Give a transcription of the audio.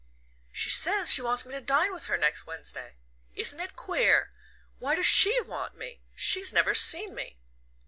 "She says she wants me to dine with her next Wednesday. Isn't it queer? Why does SHE want me? She's never seen me!"